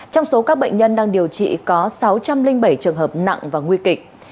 trong số các bệnh nhân đang điều trị có sáu trăm linh bảy trường hợp nặng và nguy kịch